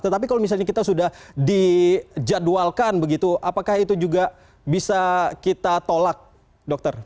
tetapi kalau misalnya kita sudah dijadwalkan begitu apakah itu juga bisa kita tolak dokter